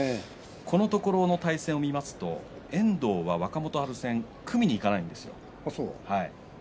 このところの対戦では遠藤は若元春戦組みにいかないんですよ。